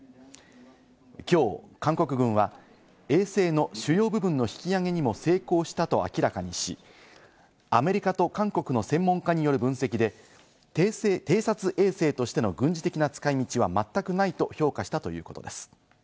きょう韓国軍は衛星の主要部分の引き揚げにも成功したと明らかにし、アメリカと韓国の専門家による分析で偵察衛星としての軍事的な使い道はまったくないと評価したということです。